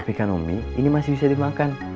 tapi kan umi ini masih bisa dimakan